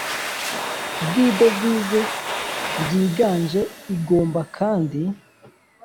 Bw idovize ryiganje igomba kandi